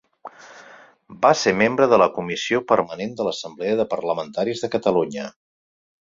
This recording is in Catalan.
Va ser membre de la Comissió Permanent de l'Assemblea de Parlamentaris de Catalunya.